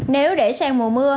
nếu để sang mùa mưa